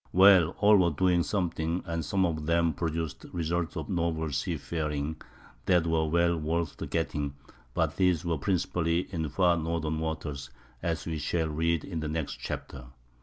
Well, all were doing something, and some of them produced results of novel seafaring that were well worth the getting, but these were principally in far northern waters, as we shall read in the next chapter.